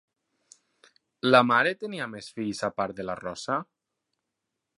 La mare tenia més fills a part de la Rosa?